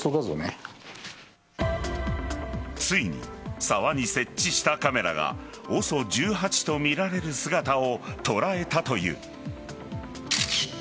ついに沢に設置したカメラがＯＳＯ１８とみられる姿を捉えたという。